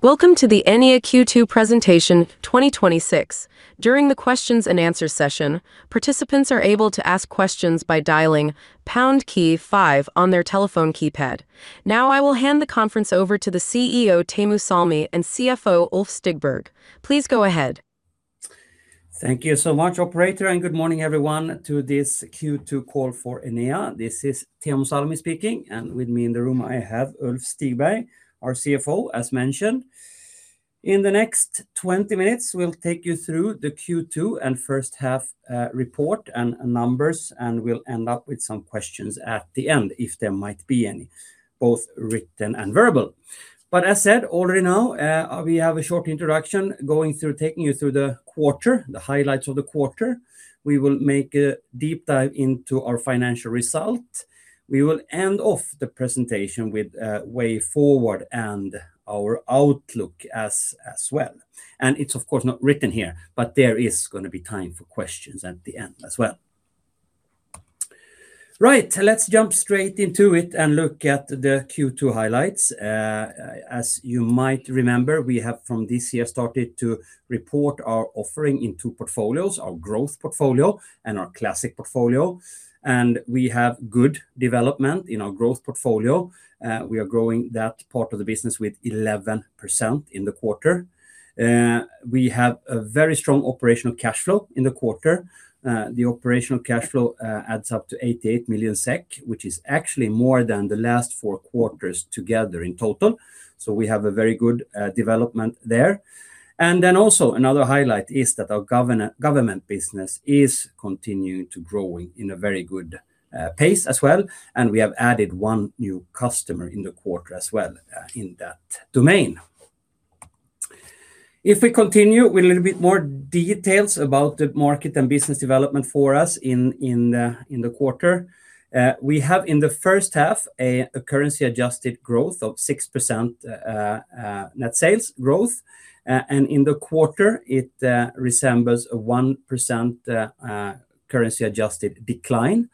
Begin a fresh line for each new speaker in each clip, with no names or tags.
Welcome to the Enea Q2 presentation, 2026. During the Q&A session, participants are able to ask questions by dialing pound key five on their telephone keypad. I will hand the conference over to the Chief Executive Officer, Teemu Salmi, and Chief Financial Officer, Ulf Stigberg. Please go ahead.
Thank you so much, Operator. Good morning everyone to this Q2 call for Enea. This is Teemu Salmi speaking, and with me in the room I have Ulf Stigberg, our Chief Financial Officer, as mentioned. In the next 20 minutes we'll take you through the Q2 and first-half report and numbers. We'll end up with some questions at the end if there might be any, both written and verbal. As said already now, we have a short introduction going through taking you through the quarter, the highlights of the quarter. We will make a deep dive into our financial result. We will end off the presentation with way forward and our outlook as well. It's, of course, not written here, but there is going to be time for questions at the end as well. Right, let's jump straight into it and look at the Q2 highlights. As you might remember, we have from this year started to report our offering in two portfolios: our growth portfolio and our classic portfolio. We have good development in our growth portfolio. We are growing that part of the business with 11% in the quarter. We have a very strong operational cash flow in the quarter. The operational cash flow adds up to 88 million SEK, which is actually more than the last four quarters together in total. We have a very good development there. Then also, another highlight is that our government business is continuing to growing in a very good pace as well, and we have added one new customer in the quarter as well in that domain. If we continue with a little bit more details about the market and business development for us in the quarter, we have in the first half a currency-adjusted growth of 6% net sales growth. In the quarter it resembles a 1% currency-adjusted decline.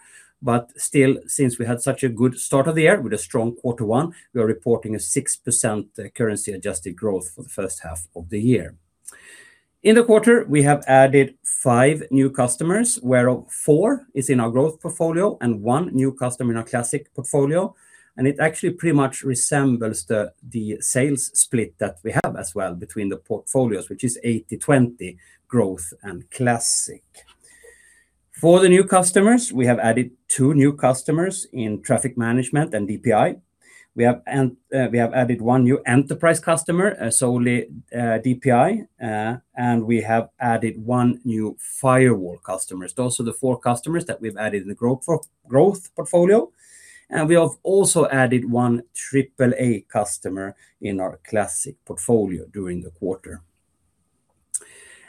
Still, since we had such a good start of the year with a strong quarter one, we are reporting a 6% currency-adjusted growth for the first half of the year. In the quarter, we have added five new customers, whereof four is in our growth portfolio and one new customer in our classic portfolio. It actually pretty much resembles the sales split that we have as well between the portfolios, which is 80/20 growth and classic. For the new customers, we have added two new customers in Traffic Management and DPI. We have added one new enterprise customer as solely DPI, and we have added one new Firewall customer. Those are the four customers that we've added in the growth portfolio. We have also added one AAA customer in our classic portfolio during the quarter.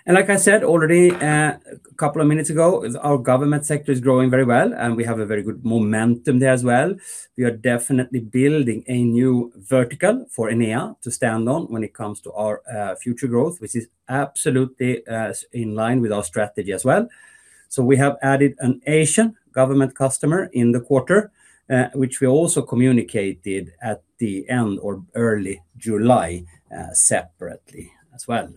Like I said already a couple of minutes ago, our government sector is growing very well, and we have a very good momentum there as well. We are definitely building a new vertical for Enea to stand on when it comes to our future growth, which is absolutely in line with our strategy as well. We have added an Asian government customer in the quarter, which we also communicated at the end or early July separately as well.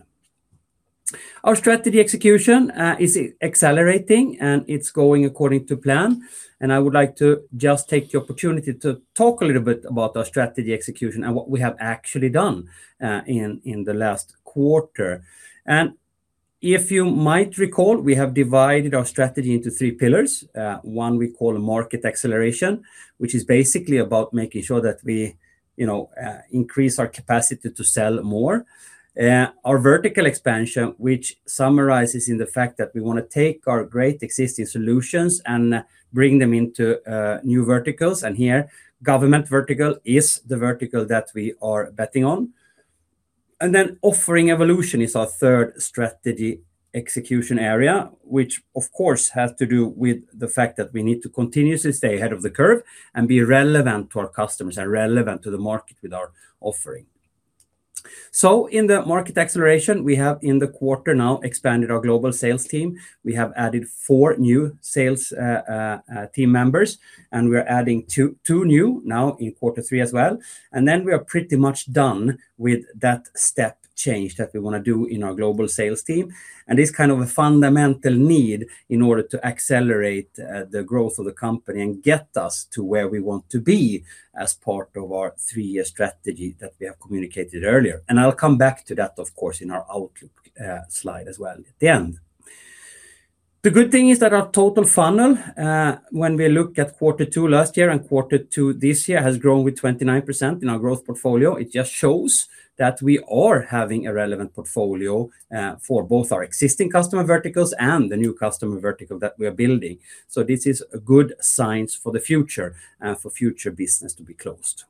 Our strategy execution is accelerating, and it's going according to plan. I would like to just take the opportunity to talk a little bit about our strategy execution and what we have actually done in the last quarter. If you might recall, we have divided our strategy into three pillars. One we call market acceleration, which is basically about making sure that we increase our capacity to sell more. Our vertical expansion, which summarizes in the fact that we want to take our great existing solutions and bring them into new verticals. Here, government vertical is the vertical that we are betting on. Offering evolution is our third strategy execution area, which of course has to do with the fact that we need to continuously stay ahead of the curve and be relevant to our customers and relevant to the market with our offering. In the market acceleration, we have in the quarter now expanded our global sales team. We have added four new sales team members, and we are adding two new now in quarter three as well. We are pretty much done with that step change that we want to do in our global sales team. It's kind of a fundamental need in order to accelerate the growth of the company and get us to where we want to be as part of our three-year strategy that we have communicated earlier. I'll come back to that, of course, in our outlook slide as well at the end. The good thing is that our total funnel, when we look at quarter two last year and quarter two this year, has grown with 29% in our growth portfolio. It just shows that we are having a relevant portfolio for both our existing customer verticals and the new customer vertical that we are building. This is good signs for the future, for future business to be closed.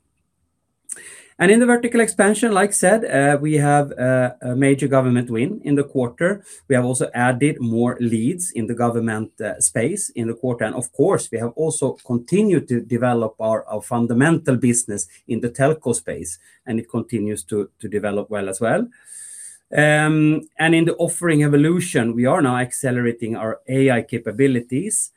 In the vertical expansion, like said, we have a major government win in the quarter. We have also added more leads in the government space in the quarter. Of course, we have also continued to develop our fundamental business in the telco space, and it continues to develop well as well. In the offering evolution, we are now accelerating our AI capabilities.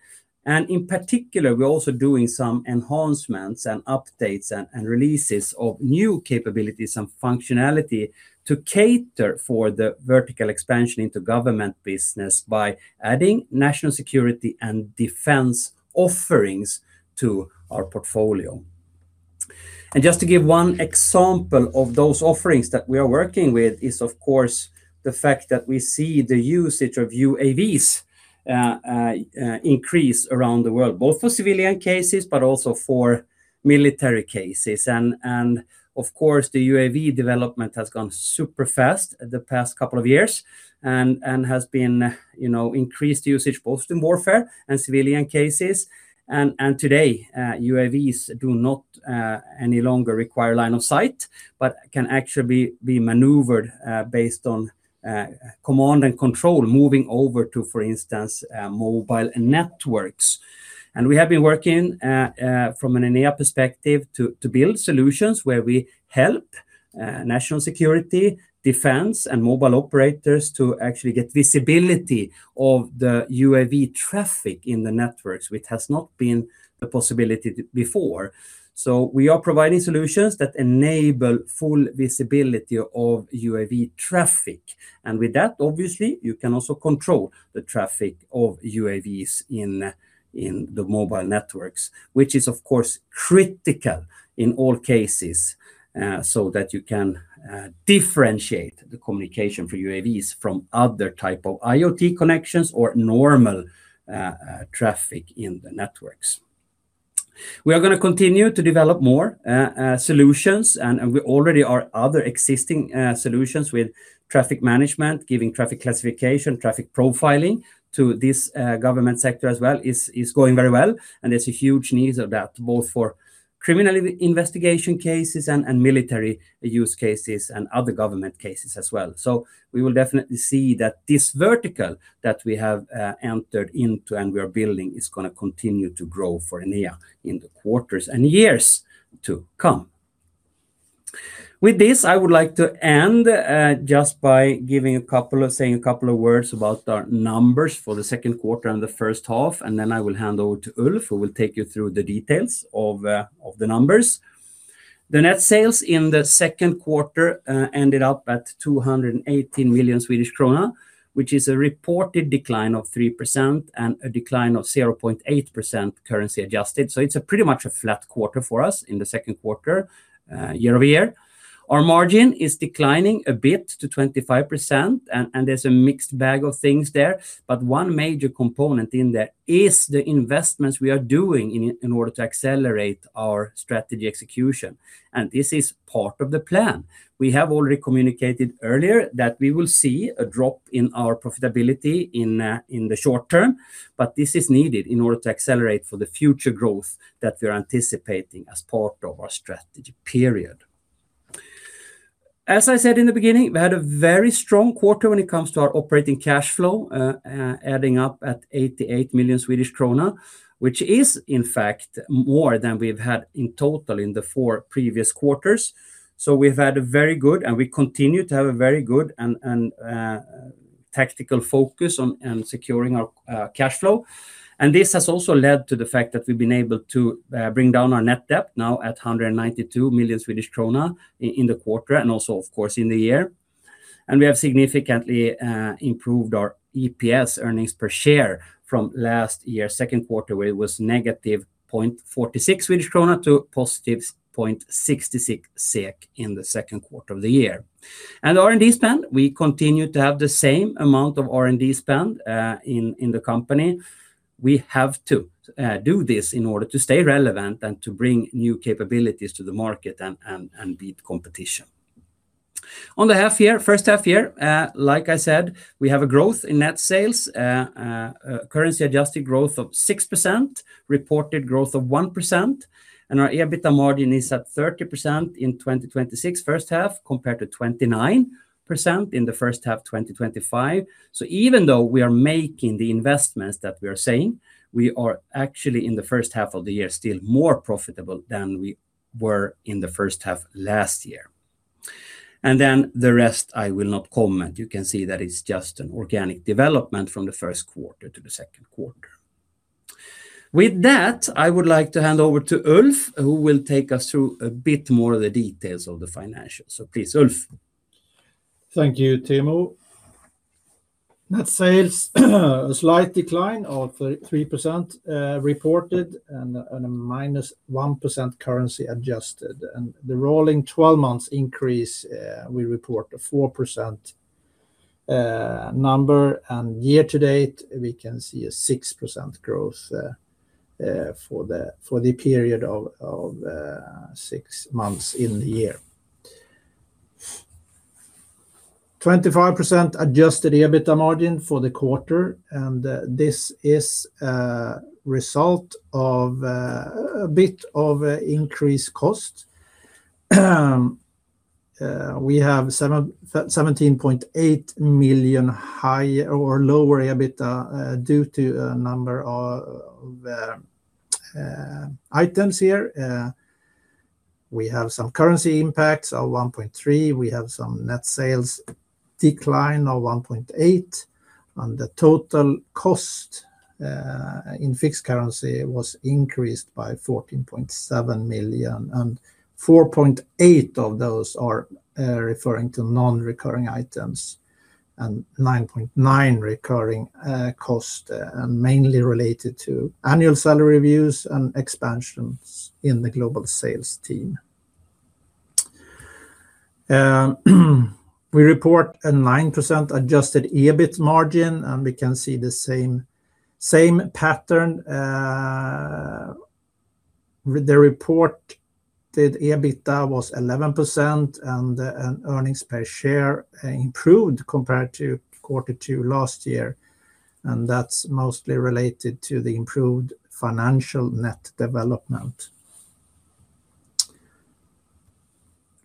In particular, we're also doing some enhancements and updates and releases of new capabilities and functionality to cater for the vertical expansion into government business by adding national security and defense offerings to our portfolio. Just to give one example of those offerings that we are working with is, of course, the fact that we see the usage of UAVs increase around the world, both for civilian cases but also for military cases. Of course, the UAV development has gone super fast the past couple of years and has been increased usage both in warfare and civilian cases. Today, UAVs do not any longer require line of sight, but can actually be maneuvered based on command and control, moving over to, for instance, mobile networks. We have been working from an Enea perspective to build solutions where we help national security, defense, and mobile operators to actually get visibility of the UAV traffic in the networks, which has not been a possibility before. We are providing solutions that enable full visibility of UAV traffic. With that, obviously, you can also control the traffic of UAVs in the mobile networks, which is, of course, critical in all cases so that you can differentiate the communication for UAVs from other type of IoT connections or normal traffic in the networks. We are going to continue to develop more solutions, and we already are other existing solutions with Traffic Management, giving traffic classification, traffic profiling to this government sector as well is going very well. There's a huge need of that, both for criminal investigation cases and military use cases and other government cases as well. We will definitely see that this vertical that we have entered into and we are building is going to continue to grow for Enea in the quarters and years to come. With this, I would like to end just by saying a couple of words about our numbers for the second quarter and the first half. Then I will hand over to Ulf, who will take you through the details of the numbers. The net sales in the second quarter ended up at 218 million Swedish krona, which is a reported decline of 3% and a decline of 0.8% currency adjusted. It's pretty much a flat quarter for us in the second quarter, year-over-year. Our margin is declining a bit to 25%. There's a mixed bag of things there. One major component in there is the investments we are doing in order to accelerate our strategy execution. This is part of the plan. We have already communicated earlier that we will see a drop in our profitability in the short term, but this is needed in order to accelerate for the future growth that we are anticipating as part of our strategy period. As I said in the beginning, we had a very strong quarter when it comes to our operating cash flow, adding up at 88 million Swedish krona, which is in fact more than we've had in total in the four previous quarters. We've had a very good, and we continue to have a very good and tactical focus on securing our cash flow. This has also led to the fact that we've been able to bring down our net debt now at 192 million Swedish krona in the quarter and also, of course, in the year. We have significantly improved our EPS, earnings per share, from last year's second quarter, where it was -0.46 Swedish krona to +0.66 SEK in the second quarter of the year. R&D spend, we continue to have the same amount of R&D spend in the company. We have to do this in order to stay relevant and to bring new capabilities to the market and beat competition. On the half year, first half year, like I said, we have a growth in net sales, currency-adjusted growth of 6%, reported growth of 1%. Our EBITDA margin is at 30% in 2026 first half compared to 29% in the first half 2025. Even though we are making the investments that we are saying, we are actually in the first half of the year still more profitable than we were in the first half last year. The rest I will not comment. You can see that it's just an organic development from the first quarter to the second quarter. With that, I would like to hand over to Ulf, who will take us through a bit more of the details of the financials. Please, Ulf.
Thank you, Teemu. Net sales, a slight decline of 3% reported and a -1% currency adjusted. The rolling 12 months increase, we report a 4% number. Year to date, we can see a 6% growth for the period of six months in the year. 25% adjusted EBITDA margin for the quarter. This is a result of a bit of increased cost. We have 17.8 million high or lower EBITDA due to a number of items here. We have some currency impacts of 1.3. We have some net sales decline of 1.8. The total cost in fixed currency was increased by 14.7 million. 4.8 of those are referring to non-recurring items and 9.9 recurring cost, mainly related to annual salary reviews and expansions in the global sales team. We report a 9% adjusted EBIT margin, we can see the same pattern. The reported EBITDA was 11%, earnings per share improved compared to quarter two last year. That's mostly related to the improved financial net development.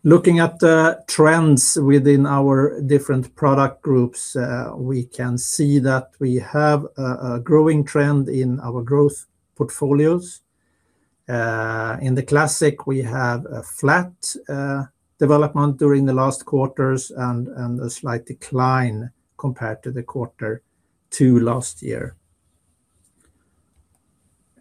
Looking at the trends within our different product groups, we can see that we have a growing trend in our growth portfolios. In the classic, we have a flat development during the last quarters and a slight decline compared to the quarter two last year.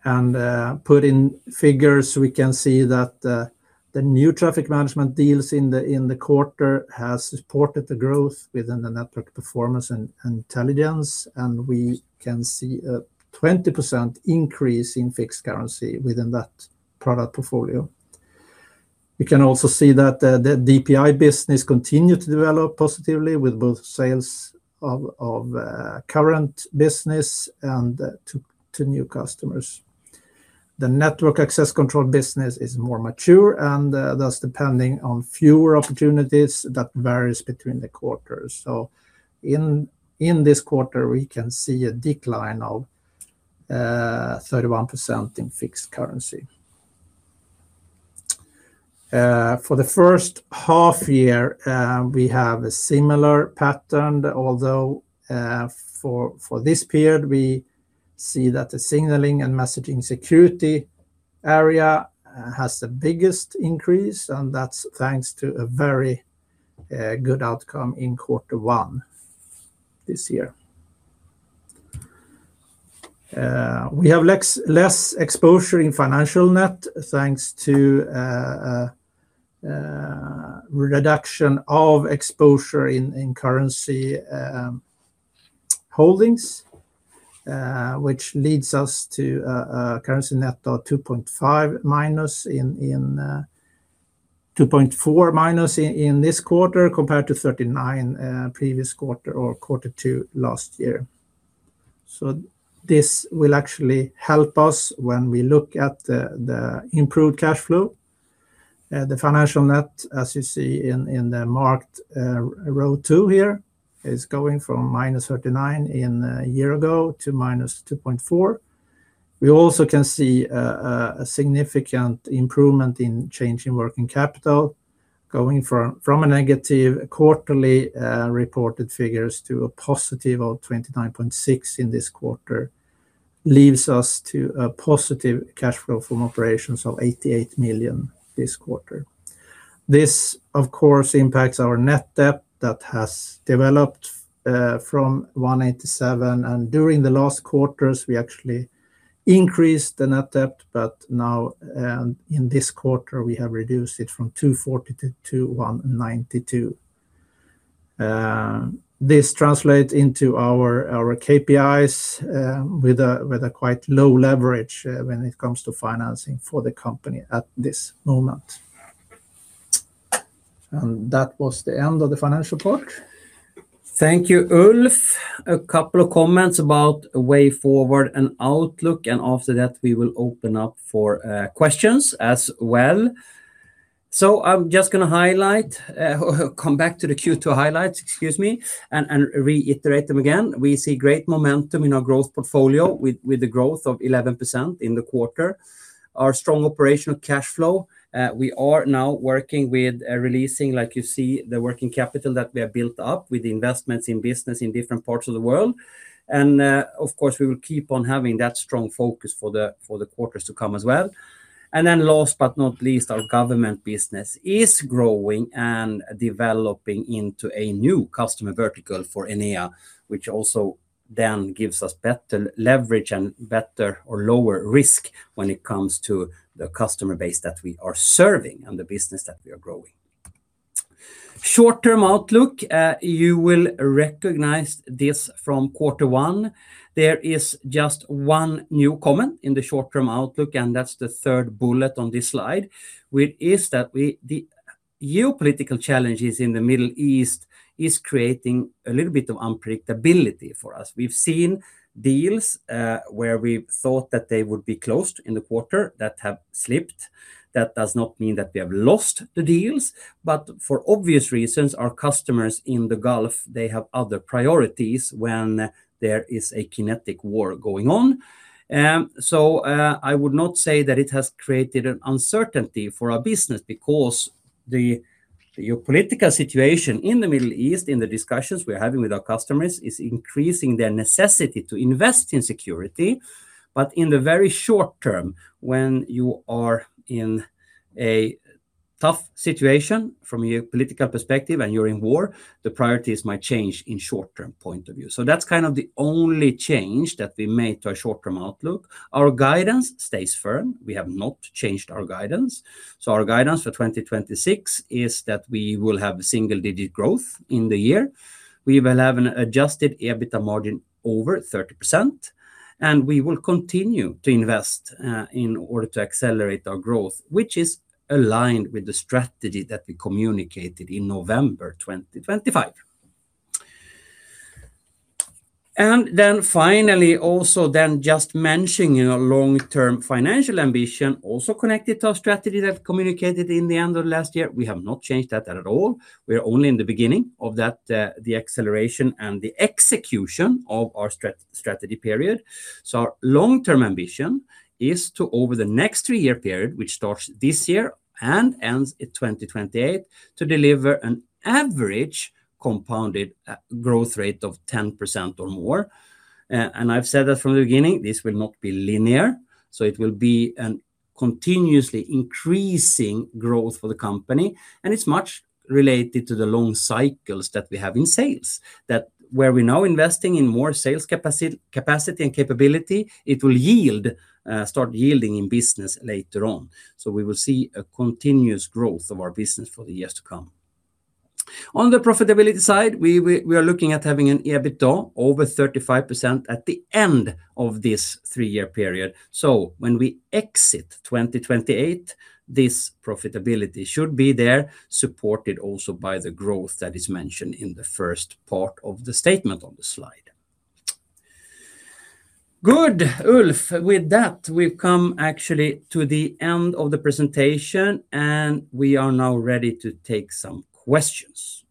Put in figures, we can see that the new Traffic Management deals in the quarter has supported the growth within the Network Performance and Intelligence. We can see a 20% increase in fixed currency within that product portfolio. We can also see that the DPI business continued to develop positively with both sales of current business and to new customers. The Network Access Control business is more mature and thus depending on fewer opportunities that varies between the quarters. In this quarter, we can see a decline of 31% in fixed currency. For the first half year, we have a similar pattern, although for this period, we see that the Signaling and Messaging Security area has the biggest increase, and that's thanks to a very good outcome in quarter one this year. We have less exposure in financial net thanks to reduction of exposure in currency holdings, which leads us to a currency net of -2.4 in this quarter compared to 39 previous quarter or quarter two last year. This will actually help us when we look at the improved cash flow. The financial net, as you see in the marked row two here, is going from -39 a year ago to -2.4. We also can see a significant improvement in change in working capital, going from a negative quarterly reported figures to a +29.6 in this quarter, leaves us to a positive cash flow from operations of 88 million this quarter. This, of course, impacts our net debt that has developed from 187. During the last quarters, we actually increased the net debt, but now in this quarter, we have reduced it from 240-192. This translates into our KPIs with a quite low leverage when it comes to financing for the company at this moment. That was the end of the financial part.
Thank you, Ulf. A couple of comments about a way forward and outlook, and after that, we will open up for questions as well. I'm just going to highlight, come back to the Q2 highlights, excuse me, and reiterate them again. We see great momentum in our growth portfolio with the growth of 11% in the quarter. Our strong operational cash flow, we are now working with releasing, like you see, the working capital that we have built up with investments in business in different parts of the world. Of course, we will keep on having that strong focus for the quarters to come as well. Last but not least, our government business is growing and developing into a new customer vertical for Enea, which also then gives us better leverage and better or lower risk when it comes to the customer base that we are serving and the business that we are growing. Short-term outlook, you will recognize this from quarter one. There is just one new comment in the short-term outlook, and that's the third bullet on this slide, which is that the geopolitical challenges in the Middle East are creating a little bit of unpredictability for us. We've seen deals where we thought that they would be closed in the quarter that have slipped. That does not mean that we have lost the deals, but for obvious reasons, our customers in the Gulf, they have other priorities when there is a kinetic war going on. I would not say that it has created an uncertainty for our business because the geopolitical situation in the Middle East, in the discussions we are having with our customers, is increasing their necessity to invest in security. In the very short term, when you are in a tough situation from a political perspective and you are in war, the priorities might change in short-term point of view. That is kind of the only change that we made to our short-term outlook. Our guidance stays firm. We have not changed our guidance. Our guidance for 2026 is that we will have single-digit growth in the year. We will have an adjusted EBITDA margin over 30%, and we will continue to invest in order to accelerate our growth, which is aligned with the strategy that we communicated in November 2025. Finally, also then just mentioning a long-term financial ambition, also connected to our strategy that we communicated in the end of last year. We have not changed that at all. We are only in the beginning of that, the acceleration and the execution of our strategy period. Our long-term ambition is to, over the next three-year period, which starts this year and ends in 2028, to deliver an average compounded growth rate of 10% or more. I've said that from the beginning, this will not be linear. It will be a continuously increasing growth for the company. It is much related to the long cycles that we have in sales, that where we are now investing in more sales capacity and capability, it will start yielding in business later on. We will see a continuous growth of our business for the years to come. On the profitability side, we are looking at having an EBITDA over 35% at the end of this three-year period. When we exit 2028, this profitability should be there, supported also by the growth that is mentioned in the first part of the statement on the slide. Good, Ulf. With that, we have come actually to the end of the presentation, we are now ready to take some questions.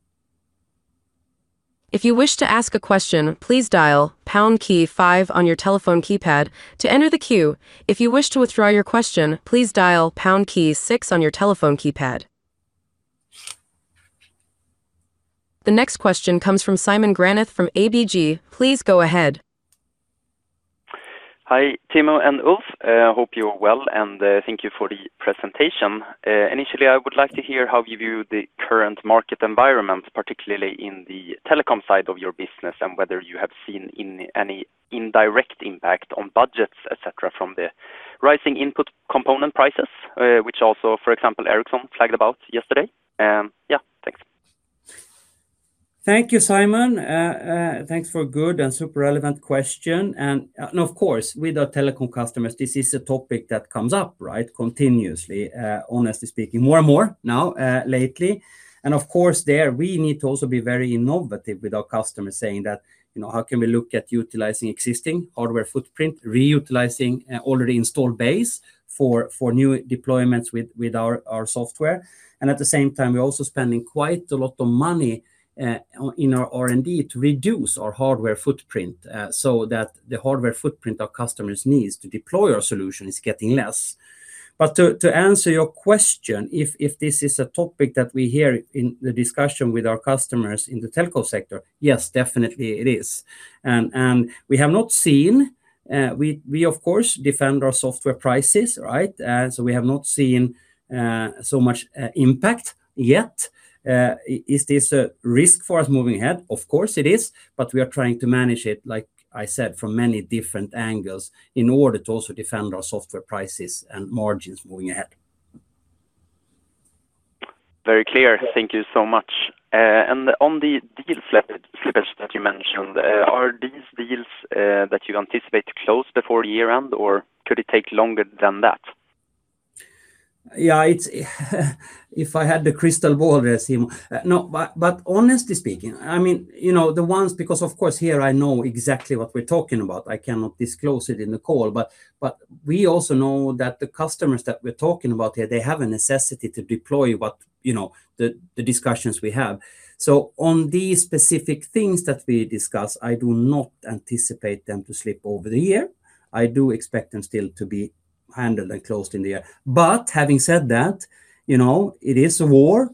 If you wish to ask a question, please dial pound key five on your telephone keypad to enter the queue. If you wish to withdraw your question, please dial pound key six on your telephone keypad. The next question comes from Simon Granath from ABG. Please go ahead.
Hi, Teemu and Ulf. I hope you're well, thank you for the presentation. Initially, I would like to hear how you view the current market environment, particularly in the telecom side of your business, and whether you have seen any indirect impact on budgets et cetera, from the rising input component prices, which also, for example, Ericsson flagged about yesterday.
Yeah, thanks. Thank you, Simon. Thanks for a good and super relevant question. Of course, with our telecom customers, this is a topic that comes up, right, continuously, honestly speaking, more and more now lately. Of course, there we need to also be very innovative with our customers, saying that, you know, how can we look at utilizing existing hardware footprint, reutilizing already installed base for new deployments with our software. At the same time, we're also spending quite a lot of money in our R&D to reduce our hardware footprint so that the hardware footprint our customers need to deploy our solution is getting less. To answer your question, if this is a topic that we hear in the discussion with our customers in the telco sector, yes, definitely it is. We have not seen we, of course, defend our software prices, right? We have not seen so much impact yet. Is this a risk for us moving ahead? Of course it is, we are trying to manage it like I said, from many different angles in order to also defend our software prices and margins moving ahead.
Very clear. Thank you so much. On the deal slippage that you mentioned, are these deals that you anticipate close before year-end, or could it take longer than that?
Yeah, if I had the crystal ball, Teemu. Honestly speaking, I mean, you know the ones, because of course here I know exactly what we're talking about. I cannot disclose it in the call, but we also know that the customers that we're talking about here, they have a necessity to deploy what, you know, the discussions we have. On these specific things that we discuss, I do not anticipate them to slip over the year. I do expect them still to be handled and closed in the year. Having said that, you know it is a war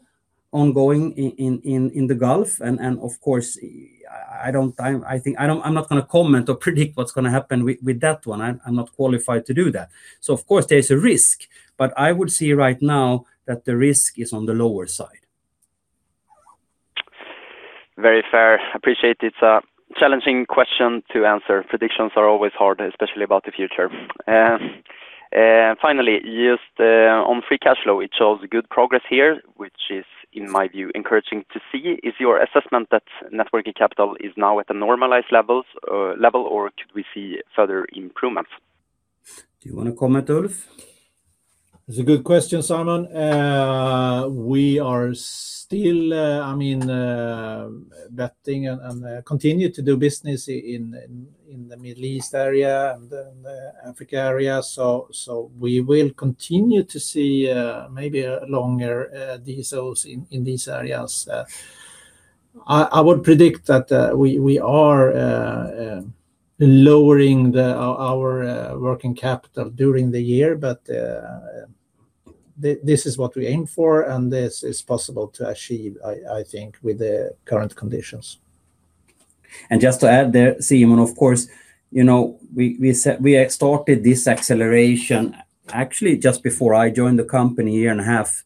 ongoing in the Gulf. I think I'm not going to comment or predict what's going to happen with that one. I'm not qualified to do that. Of course, there's a risk, but I would see right now that the risk is on the lower side.
Very fair. Appreciate it. It's a challenging question to answer. Predictions are always hard, especially about the future. Finally, just on free cash flow, it shows good progress here, which is in my view, encouraging to see. Is your assessment that networking capital is now at a normalized level, or could we see further improvements?
Do you want to comment, Ulf?
That's a good question, Simon. We are still, I mean, betting and continue to do business in the Middle East area and the Africa area. We will continue to see maybe longer DSO cycles in these areas. I would predict that we are lowering our working capital during the year, this is what we aim for, and this is possible to achieve, I think with the current conditions.
Just to add there, Simon, of course, you know, we started this acceleration actually just before I joined the company, a year and a half,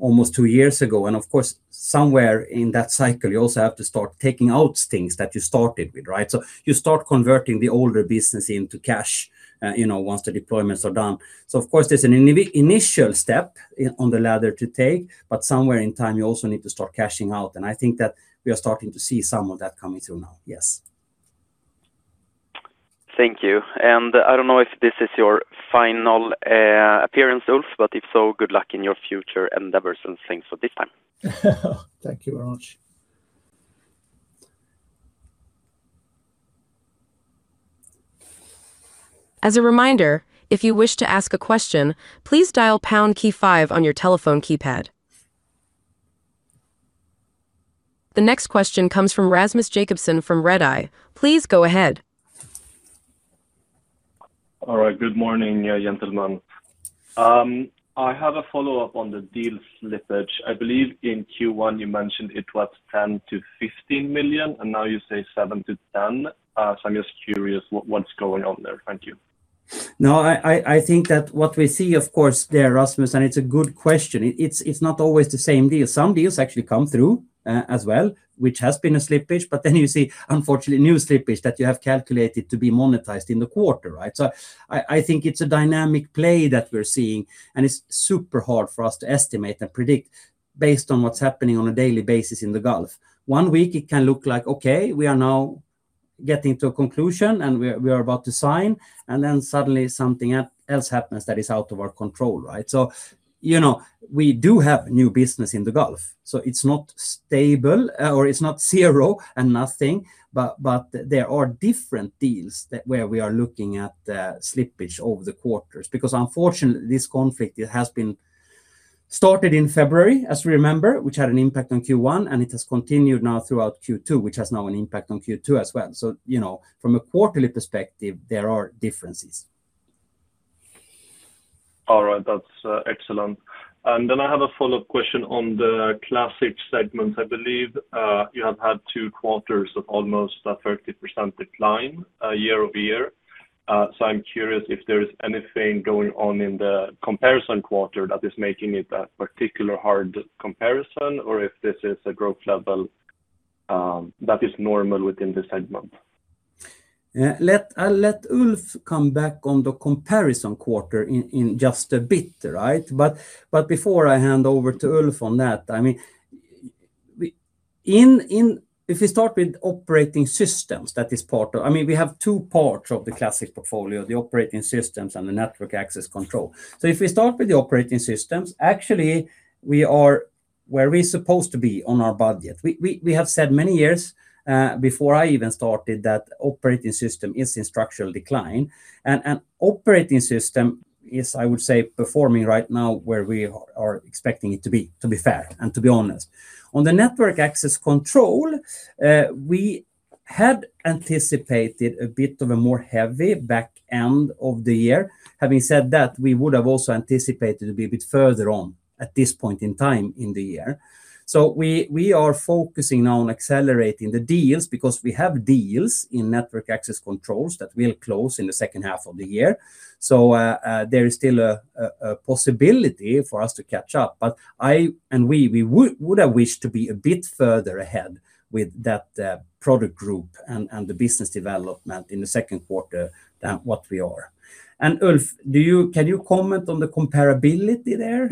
almost two years ago. Of course, somewhere in that cycle, you also have to start taking out things that you started with, right? You start converting the older business into cash, you know, once the deployments are done. Of course, there's an initial step on the ladder to take, somewhere in time, you also need to start cashing out. I think that we are starting to see some of that coming through now, yes.
Thank you. I don't know if this is your final appearance, Ulf if so, good luck in your future endeavors and thanks for this time.
Thank you very much.
As a reminder, if you wish to ask a question, please dial pound key five on your telephone keypad. The next question comes from Rasmus Jacobsson from Redeye. Please go ahead.
All right, good morning, gentlemen. I have a follow-up on the deal slippage. I believe in Q1 you mentioned it was 10 million-15 million, now you say 7 million-10 million. I'm just curious what's going on there. Thank you.
I think that what we see, of course, there, Rasmus, it's a good question. It's not always the same deal. Some deals actually come through as well, which has been a slippage, you see, unfortunately, new slippage that you have calculated to be monetized in the quarter, right? I think it's a dynamic play that we're seeing, and it's super hard for us to estimate and predict based on what's happening on a daily basis in the Gulf. One week, it can look like, okay, we are now getting to a conclusion and we're about to sign, suddenly something else happens that is out of our control, right? You know, we do have new business in the Gulf. It's not stable or it's not zero and nothing, but there are different deals where we are looking at slippage over the quarters. Unfortunately, this conflict has been started in February, as we remember, which had an impact on Q1, it has continued now throughout Q2, which has now an impact on Q2 as well. You know, from a quarterly perspective, there are differences.
All right, that's excellent. I have a follow-up question on the classic segment. I believe you have had two quarters of almost a 30% decline year-over-year. I'm curious if there is anything going on in the comparison quarter that is making it a particular hard comparison, or if this is a growth level that is normal within the segment.
Let Ulf come back on the comparison quarter in just a bit, right? Before I hand over to Ulf on that, if we start with Operating Systems that is part of, I mean, we have two parts of the classic portfolio, the Operating Systems and the Network Access Control. If we start with the Operating Systems, actually, we are where we're supposed to be on our budget. We have said many years before I even started that Operating Systems is in structural decline. Operating Systems is, I would say, performing right now where we are expecting it to be, to be fair and to be honest. On the Network Access Control, we had anticipated a bit of a more heavy backend of the year. Having said that, we would have also anticipated a bit further on at this point in time in the year. We are focusing now on accelerating the deals because we have deals in Network Access Control that will close in the second half of the year. There is still a possibility for us to catch up. I and we would have wished to be a bit further ahead with that product group and the business development in the second quarter than what we are. Ulf, can you comment on the comparability there?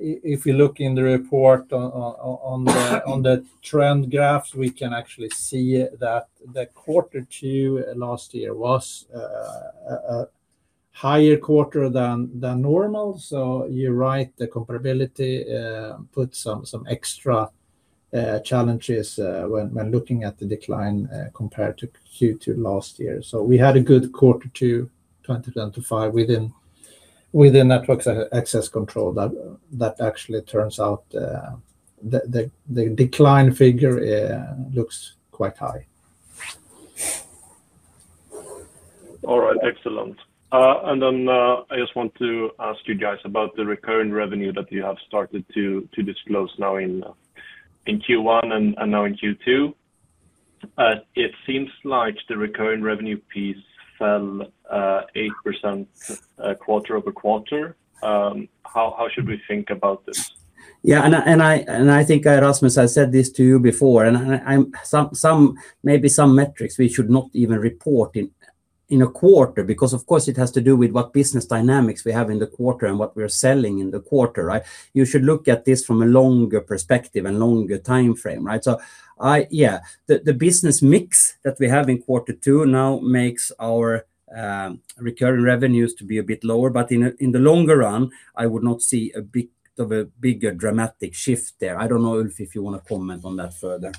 If you look in the report on the trend graphs, we can actually see that the Q2 last year was a higher quarter than normal. You're right the comparability, put some extra challenges when looking at the decline compared to Q2 last year. We had a good Q2, 2025, within Network Access Control that actually turns out the decline figure looks quite high.
All right, excellent. Then I just want to ask you guys about the recurring revenue that you have started to disclose now in Q1 and now in Q2. It seems like the recurring revenue piece fell 8% quarter-over-quarter. How should we think about this?
I think, Rasmus, I said this to you before, maybe some metrics we should not even report in a quarter because, of course, it has to do with what business dynamics we have in the quarter and what we're selling in the quarter, right? You should look at this from a longer perspective and longer timeframe, right? Yeah, the business mix that we have in quarter two now makes our recurring revenues to be a bit lower, but in the longer run, I would not see a bit of a bigger dramatic shift there. I don't know, Ulf, if you want to comment on that further.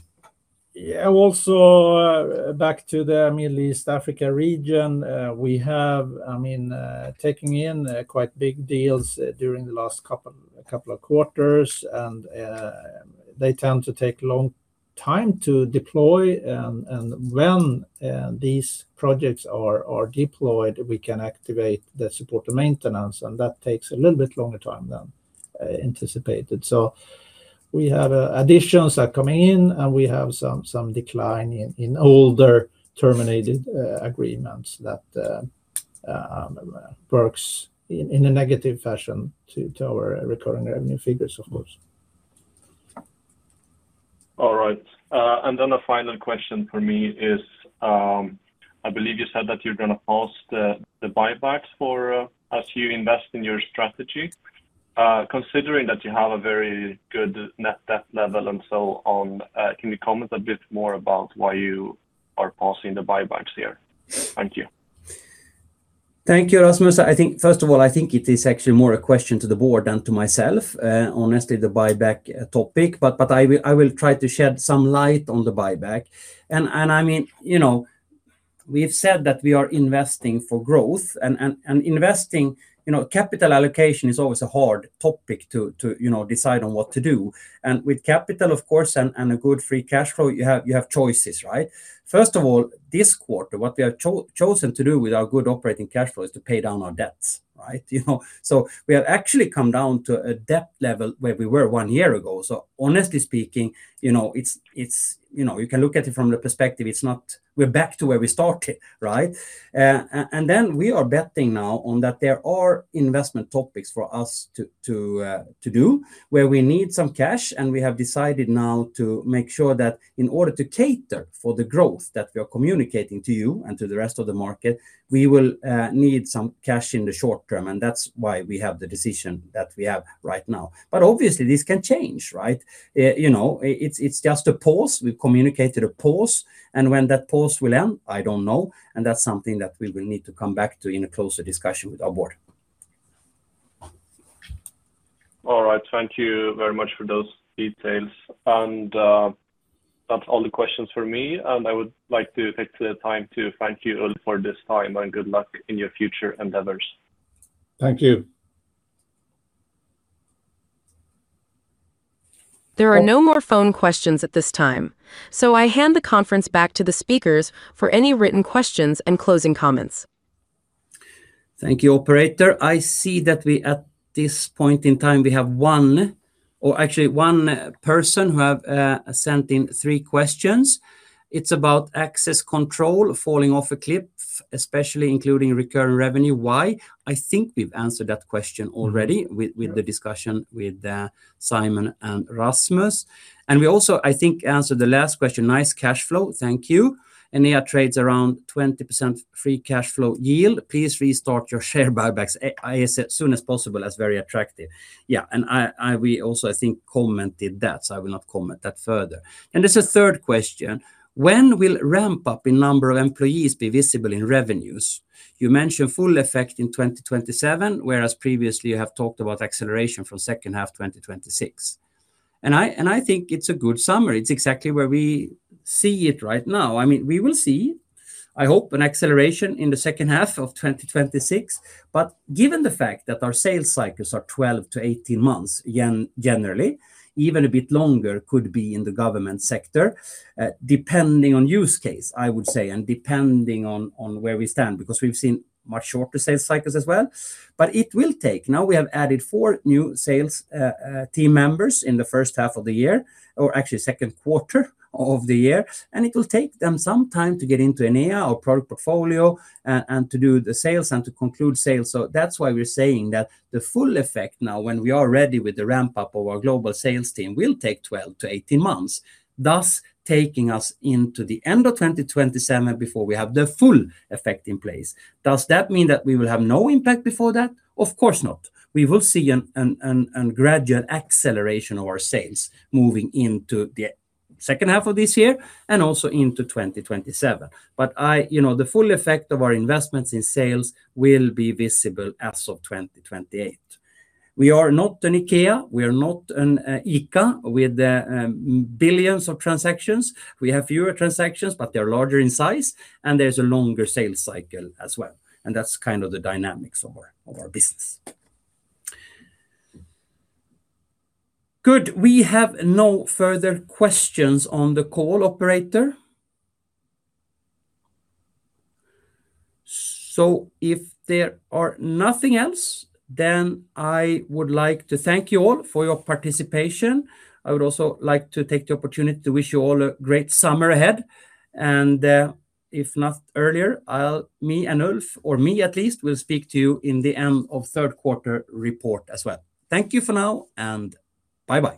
Also back to the Middle East Africa region, we have, I mean, taking in quite big deals during the last couple of quarters, they tend to take a long time to deploy. When these projects are deployed, we can activate the support and maintenance, that takes a little bit longer time than anticipated. We have additions that come in, we have some decline in older terminated agreements that works in a negative fashion to our recurring revenue figures, of course.
All right. Then the final question for me is, I believe you said that you're going to post the buybacks for us to invest in your strategy. Considering that you have a very good net debt level and so on, can you comment a bit more about why you are pausing the buybacks here? Thank you.
Thank you, Rasmus. I think, first of all, I think it is actually more a question to the board than to myself, honestly, the buyback topic, but I will try to shed some light on the buyback. I mean, you know, we've said that we are investing for growth, and investing, you know, capital allocation is always a hard topic to, you know, decide on what to do. With capital, of course, and a good free cash flow, you have choices, right? First of all, this quarter, what we have chosen to do with our good operating cash flow is to pay down our debts, right? We have actually come down to a debt level where we were one year ago. Honestly speaking, you know, it's, you know, you can look at it from the perspective, it's not, we're back to where we started, right? Then we are betting now on that there are investment topics for us to do where we need some cash. We have decided now to make sure that in order to cater for the growth that we are communicating to you and to the rest of the market, we will need some cash in the short term. That's why we have the decision that we have right now. Obviously, this can change, right? You know, it's just a pause. We've communicated a pause. When that pause will end, I don't know. That's something that we will need to come back to in a closer discussion with our board.
All right, thank you very much for those details. That's all the questions for me. I would like to take the time to thank you, Ulf, for this time. Good luck in your future endeavors.
Thank you.
There are no more phone questions at this time, so I hand the conference back to the speakers for any written questions and closing comments.
Thank you, operator. I see that we at this point in time, we have one, or actually one person who have sent in three questions. It's about Access Control falling off a cliff, especially including recurring revenue. Why? I think we've answered that question already with the discussion with Simon and Rasmus. We also, I think, answered the last question, nice cash flow. Thank you. Enea trades around 20% free cash flow yield. Please restart your share buybacks as soon as possible as very attractive. I also think commented that, so I will not comment that further. There's a third question. When will ramp-up in number of employees be visible in revenues? You mentioned full effect in 2027, whereas previously you have talked about acceleration for second half 2026. I think it's a good summary. It's exactly where we see it right now. I mean, we will see, I hope, an acceleration in the second half of 2026, but given the fact that our sales cycles are 12-18 months generally, even a bit longer could be in the government sector, depending on use case, I would say, and depending on where we stand, because we've seen much shorter sales cycles as well. It will take. Now we have added four new sales team members in the first half of the year, or actually second quarter of the year, it will take them some time to get into Enea our product portfolio and to do the sales and to conclude sales. That's why we're saying that the full effect now, when we are ready with the ramp-up of our global sales team, will take 12-18 months, thus taking us into the end of 2027 before we have the full effect in place. Does that mean that we will have no impact before that? Of course not. We will see a gradual acceleration of our sales moving into the second half of this year and also into 2027. The full effect of our investments in sales will be visible as of 2028. We are not an IKEA. We are not an ICA with billions of transactions. We have fewer transactions, but they are larger in size, and there's a longer sales cycle as well. That's kind of the dynamics of our business. Good. We have no further questions on the call, operator. If there are nothing else, I would like to thank you all for your participation. I would also like to take the opportunity to wish you all a great summer ahead. If not earlier, I'll, me and Ulf, or me at least, will speak to you in the end of third quarter report as well. Thank you for now, bye bye.